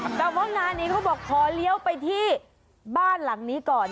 แต่ว่างานนี้เขาบอกขอเลี้ยวไปที่บ้านหลังนี้ก่อน